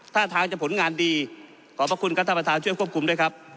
ท่าทางจะผลงานดีขอบพระคุณครับท่านประธานช่วยควบคุมด้วยครับ